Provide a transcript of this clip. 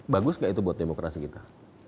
bagus gak itu buat demokrasi kita